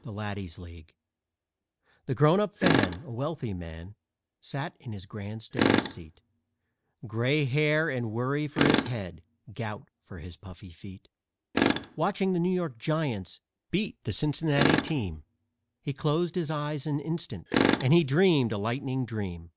_ THE LADDIES' LEAGUE The Grown up Fan, a wealthy man, sat in his grandstand seat, Gray hair and worry for his head, gout for his puffy feet. Watching the New York Giants beat the Cincinnati team, He closed his eyes an instant and he dreamed a lightning dream.